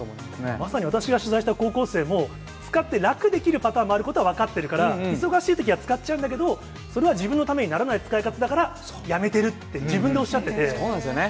まさに私が取材した高校生も、つかって楽できるパターンもあることは分かっているから、忙しいときは使っちゃうんだけれども、それは自分のためにならない使い方だからやめてるって、そうなんですよね。